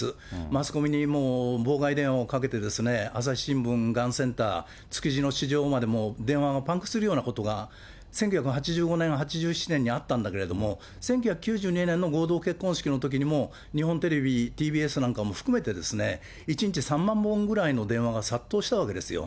マスコミにもう妨害電話をかけて朝日新聞がんセンター、築地の市場までも電話がパンクするようなことも、１９８５年、８７年にあったんだけども、１９９２年の合同結婚式のときにも日本テレビ、ＴＢＳなんかも含めて、１日３万本ぐらいの電話が殺到したわけですよ。